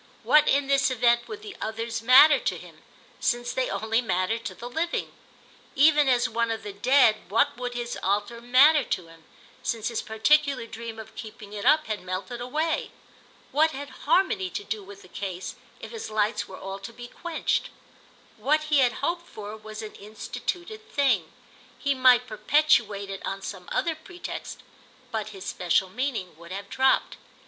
What in this event would the Others matter to him, since they only mattered to the living? Even as one of the Dead what would his altar matter to him, since his particular dream of keeping it up had melted away? What had harmony to do with the case if his lights were all to be quenched? What he had hoped for was an instituted thing. He might perpetuate it on some other pretext, but his special meaning would have dropped.